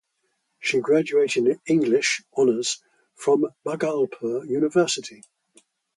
She graduated in English (Honours) from Bhagalpur University.